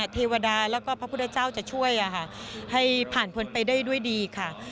เทวดาแล้วก็พระพุทธเจ้าจะช่วยให้ผ่านพ้นไปได้ด้วยดีค่ะ